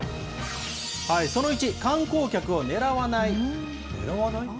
その１、観光客を狙わない。